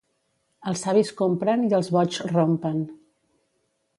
Els savis compren i els boigs rompen.